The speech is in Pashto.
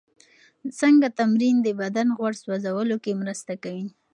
څنګه تمرین د بدن غوړ سوځولو کې مرسته کوي؟